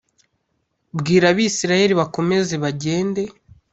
bwira abisirayeli bakomeze bagende.